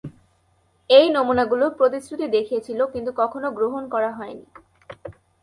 এই নমুনাগুলো প্রতিশ্রুতি দেখিয়েছিল কিন্তু কখনো গ্রহণ করা হয়নি।